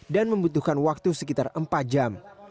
dan membutuhkan waktu sekitar empat jam